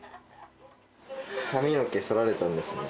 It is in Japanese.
髪の毛そられたんですね。